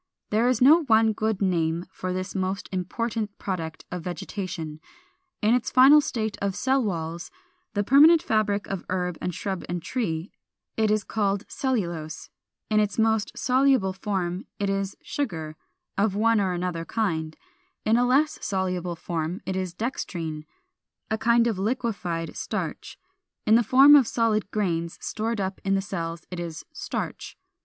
There is no one good name for this most important product of vegetation. In its final state of cell walls, the permanent fabric of herb and shrub and tree, it is called Cellulose (408): in its most soluble form it is Sugar of one or another kind; in a less soluble form it is Dextrine, a kind of liquefied starch: in the form of solid grains stored up in the cells it is Starch.